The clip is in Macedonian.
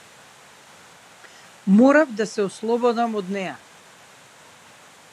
Морав да се ослободам од неа.